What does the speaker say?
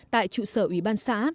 tại trụ sở ủy ban xã